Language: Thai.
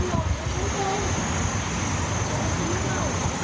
โอ้โอ้โอ้